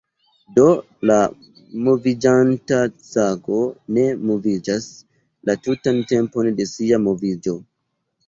Do, la moviĝanta sago ne moviĝas la tutan tempon de sia moviĝo".